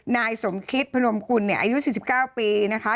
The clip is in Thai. นายสมคิตพนมคุณเนี่ยอายุ๔๙ปีนะคะ